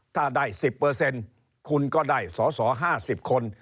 ถ้าได้๑๐เปอร์เซ็นต์คุณก็ได้สอสอ๕๐คน